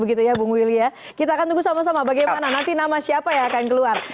kita akan tunggu sama sama bagaimana nanti nama siapa yang akan keluar